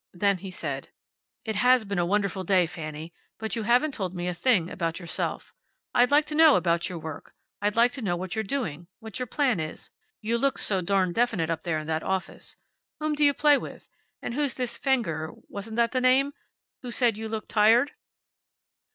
Then he said: "It has been a wonderful day, Fanny, but you haven't told me a thing about yourself. I'd like to know about your work. I'd like to know what you're doing; what your plan is. You looked so darned definite up there in that office. Whom do you play with? And who's this Fenger wasn't that the name? who saw that you looked tired?"